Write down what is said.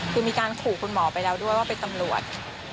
คือมีการขู่คุณหมอไปแล้วด้วยว่าเป็นตำรวจ